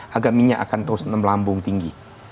harga minyak akan terus melambung tinggi